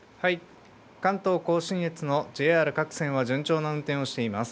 関東甲信越のＪＲ各線は順調な運転をしています。